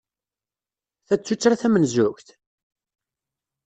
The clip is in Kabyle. Ta d tuttra tamenzugt?